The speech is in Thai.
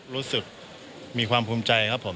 รู้สึกมีความภูมิใจครับผม